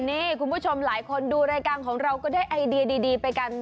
นี่คุณผู้ชมหลายคนดูรายการของเราก็ได้ไอเดียดีไปกัน